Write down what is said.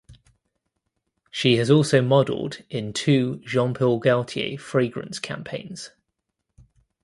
She has also modelled in two Jean Paul Gaultier fragrance campaigns.